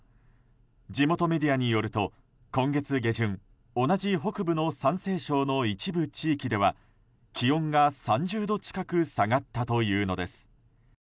地元メディアによると今月下旬、同じ北部の山西省の一部地域では気温が３０度近く下がったというのです。